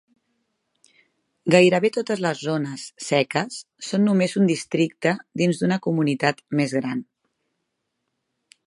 Gairebé totes les zones seques són només un districte dins d'una comunitat més gran.